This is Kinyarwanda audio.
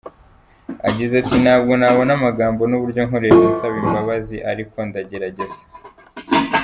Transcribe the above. Yagize ati: “Ntabwo nabona amagambo n’uburyo nkoresha nsaba imbabazi ariko ndagerageza.